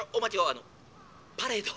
あのパレードは？」。